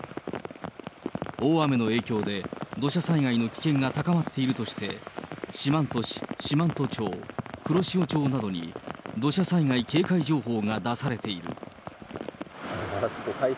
大雨の影響で、土砂災害の危険が高まっているとして、四万十市、四万十町、黒潮町などに土砂災害警戒情報が出されている。